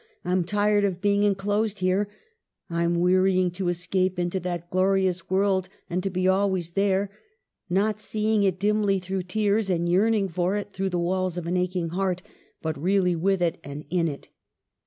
I'm tired of being en closed here. I'm wearying to escape into that glorious world, and to be always there ; not see ing it dimly through tears, and yearning for it through the walls of an aching heart; but really with it and in it.